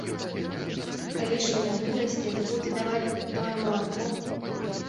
Калі ж яна вырасце ды будзе даваць тое малако!